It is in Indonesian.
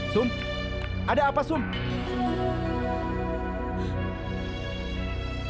su apa yang terjadi